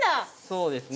そうですね。